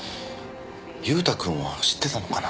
祐太君は知ってたのかな？